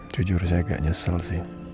jujur saya agak nyesel sih